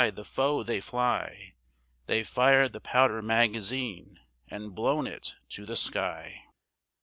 the foe! they fly! They've fired the powder magazine and blown it to the sky!"